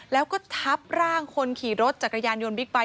แล้วก็ทับร่างคนขี่รถจักรยานยนต์บิ๊กไบท